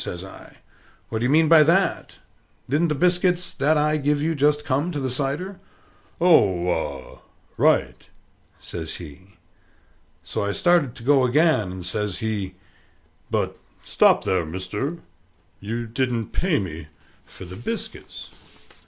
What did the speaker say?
says I. "What do you mean by that? Didn't the biscuits that I give you just come to the cider?" "Oh, ah, right!" says he. So I started to go again, and says he, "But stop there, mister: you didn't pay me for the biscuits."